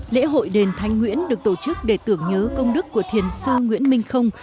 lễ hội đền thánh nguyễn được tổ chức để tưởng nhớ công đức của thiền sư nguyễn minh không